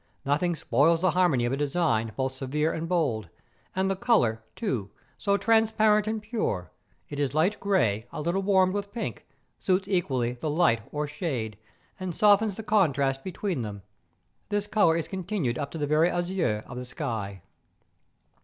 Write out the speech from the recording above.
Nothing spoils the harmony of a design both severe and bold"; and the colour, too, so transparent and pure,—it is light grey a little warmed with pink,—suits equally the light 01 shade, and softens the contrast between them. This colour is continued up to the very azure of the sky.